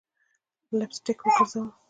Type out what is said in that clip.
لپ سټک ګرزوم